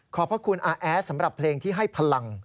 พระคุณอาแอดสำหรับเพลงที่ให้พลัง